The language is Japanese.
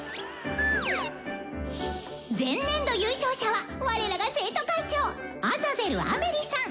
「前年度優勝者は我らが生徒会長アザゼル・アメリさん！」。